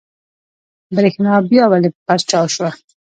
برېښنا بيا ولې پرچاو شوه؟